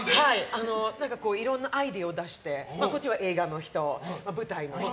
いろんなアイデアを出してこっちは映画の人舞台の人。